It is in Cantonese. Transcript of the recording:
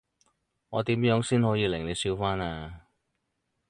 我點樣先可以令你笑返呀？